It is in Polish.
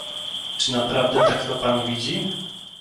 Czy naprawdę tak to Pan widzi?